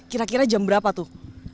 kira kira jam berapa tuh